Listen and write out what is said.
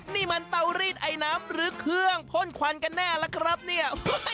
นี่มันเตารีดไอน้ำหรือเครื่องพ่นควันกันแน่ล่ะครับเนี่ย